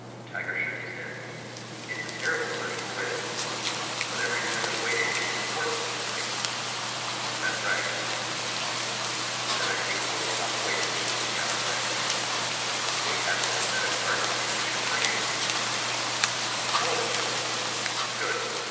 Tiger shook his head. "It's a terrible surgical risk." "But every minute of waiting makes it worse, right?" "That's right." "Then I think we'll stop waiting," Dal said. "We have a prosthetic heart in condition for use, don't we?" "Of course." "Good.